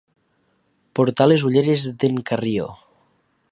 Portar les ulleres d'en Carrió.